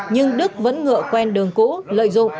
nhưng đức vẫn ngựa quen đường cũ lợi dụng